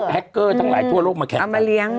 แฮคเกอร์ทั้งหลายทั่วโลกมาแข่งกัน